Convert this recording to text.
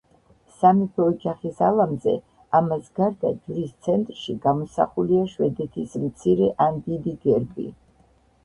სამეფო ოჯახის ალამზე, ამას გარდა ჯვრის ცენტრში გამოსახულია შვედეთის მცირე ან დიდი გერბი.